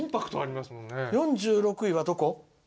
４６位はどこ？